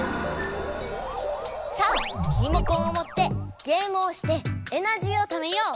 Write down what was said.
さあリモコンをもってゲームをしてエナジーをためよう！